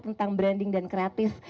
tentang branding dan kreatif